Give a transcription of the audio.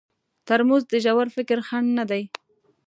ترموز د ژور فکر خنډ نه دی.